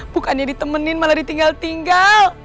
bukannya ditemenin malah ditinggal tinggal